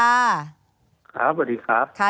ค่ะสวัสดีครับ